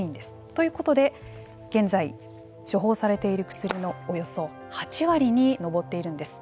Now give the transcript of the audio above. ということで現在処方されている薬のおよそ８割に上っているんです。